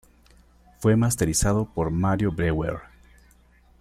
Fue masterizado por Mario Breuer.